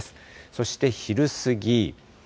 そして昼過ぎ。